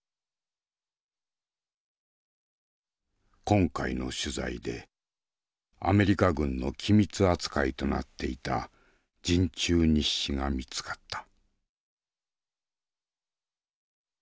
今回の取材でアメリカ軍の機密扱いとなっていた陣中日誌が見つかった。